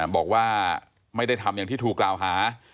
บอกว่าไม่ได้ทำอย่างที่ถูกกล่าวหา